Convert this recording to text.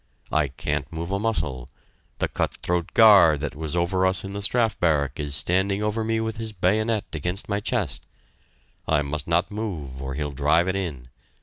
I can't move a muscle; the cut throat guard that was over us in the Strafe Barrack is standing over me with his bayonet against my chest I must not move or he'll drive it in....